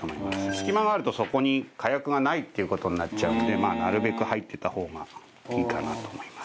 隙間があるとそこに火薬がないっていう事になっちゃうのでなるべく入ってた方がいいかなと思います。